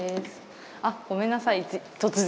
あっごめんなさい突然。